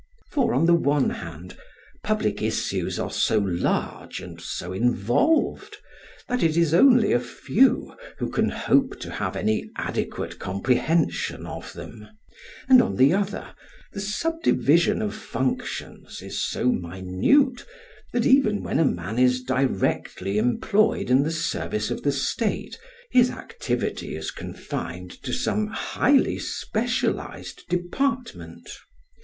For, on the one hand, public issues are so large and so involved that it is only a few who can hope to have any adequate comprehension of them; and on the other, the subdivision of functions is so minute that even when a man is directly employed in the service of the state his activity is confined to some highly specialised department.